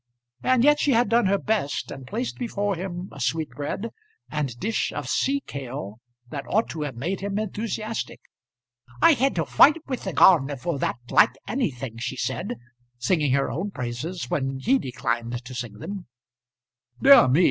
And yet she had done her best, and placed before him a sweetbread and dish of sea kale that ought to have made him enthusiastic. "I had to fight with the gardener for that like anything," she said, singing her own praises when he declined to sing them. "Dear me!